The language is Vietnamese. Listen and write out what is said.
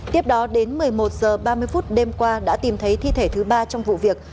tiếp đó đến một mươi một h ba mươi đêm qua đã tìm thấy thi thể thứ ba trong vụ việc